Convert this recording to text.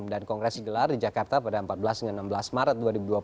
dan kongres digelar di jakarta pada empat belas dan enam belas maret dua ribu dua puluh